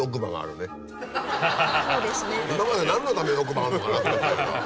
今まで何のために奥歯があるのかなと思ってたけど。